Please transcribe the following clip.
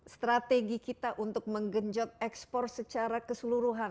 strategi kita untuk menggenjot ekspor secara keseluruhan